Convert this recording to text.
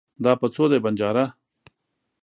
دا په څو دی ؟ بنجاره